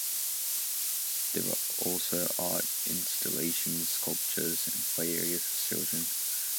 There are also art installations, sculptures, and play areas for children.